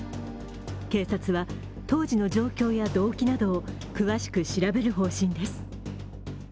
警察は当時の状況や動機などを詳しく調べる方針です。